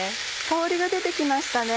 香りが出て来ましたね。